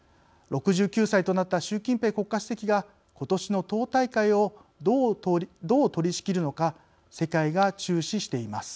６９歳となった習近平国家主席がことしの党大会をどうとり仕切るのか世界が注視しています。